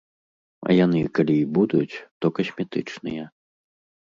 А яны калі і будуць, то касметычныя.